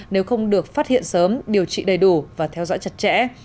nếu không được phát hiện sớm điều trị đầy đủ và theo dõi chặt chẽ